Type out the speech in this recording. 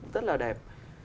rất là đẹp